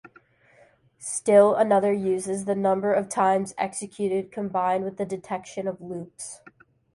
Still another uses the number of times executed combined with the detection of loops.